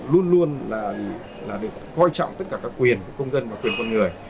luôn luôn là được quan trọng tất cả các quyền của công dân và quyền con người